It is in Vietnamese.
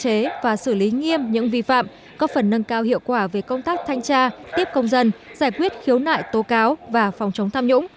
tỉnh sẽ xử lý nghiêm những vi phạm có phần nâng cao hiệu quả về công tác thanh tra tiếp công dân giải quyết khiếu nại tố cáo và phòng chống tham nhũng